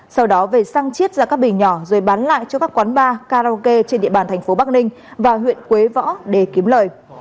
sau đó về sang chiết ra các bình nhỏ rồi bán lại cho các quán bar karaoke trên địa bàn tp bắc ninh và huyện quế võ để kiếm lợi